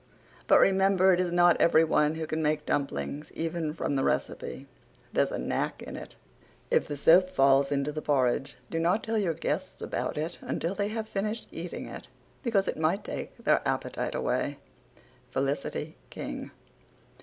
But remember it is not everyone who can make dumplings, even from the recipe. There's a knack in it. If the soap falls into the porridge do not tell your guests about it until they have finished eating it because it might take away their appetite. FELICITY KING.